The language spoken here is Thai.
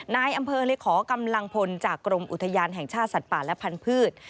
นายอำเภอเลยขอกำลังพลจากกรมอุทยานแห่งชาติสัตว์ป่าและพันธุ์